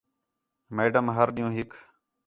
میڈم ہر ݙِین٘ہوں ہِک